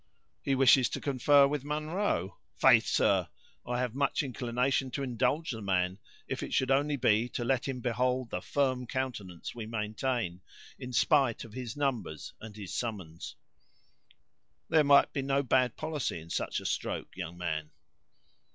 He wishes to confer with Munro! Faith, sir, I have much inclination to indulge the man, if it should only be to let him behold the firm countenance we maintain in spite of his numbers and his summons. There might be not bad policy in such a stroke, young man."